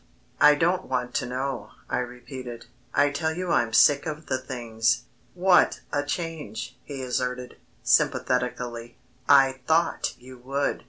"I don't want to know," I repeated. "I tell you I'm sick of the things." "What a change," he asserted, sympathetically, "I thought you would."